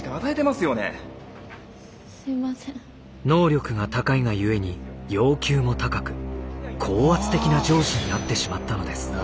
能力が高いがゆえに要求も高く高圧的な上司になってしまったのです。